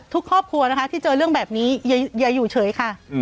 ครอบครัวนะคะที่เจอเรื่องแบบนี้อย่าอยู่เฉยค่ะ